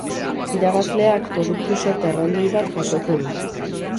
Irabazleak, produktu-sorta erraldoi bat jasoko du.